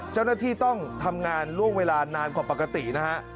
เจ้าหน้าที่ต้องทำงานล่วงเวลานานกว่าปกตินะฮะ